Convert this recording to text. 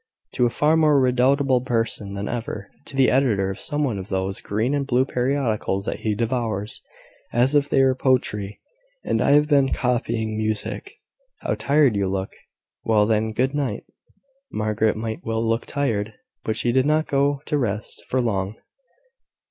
"To a far more redoubtable person than either: to the editor of some one of those green and blue periodicals that he devours, as if they were poetry. And I have been copying music." "How tired you look!" "Well, then, good night!" Margaret might well look tired; but she did not go to rest for long.